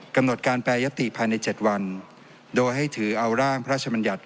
กำหนดการแปรยติภายใน๗วันโดยให้ถือเอาร่างพระชมัญญัติ